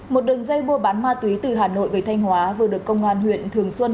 một đường dây mua bán ma túy từ hà nội về thanh hóa vừa được công an huyện thường xuân